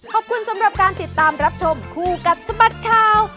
ขอบคุณสำหรับการติดตามรับชมคู่กับสบัดข่าว